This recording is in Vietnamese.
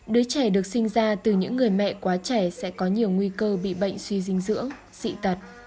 đứa trẻ được sinh ra từ những người mẹ quá trẻ sẽ có nhiều nguy cơ bị bệnh suy dinh dưỡng dị tật